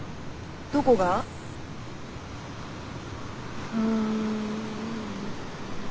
どこが？ん。